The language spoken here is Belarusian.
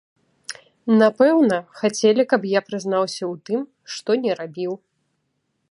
Напэўна, хацелі, каб я прызнаўся ў тым, што не рабіў.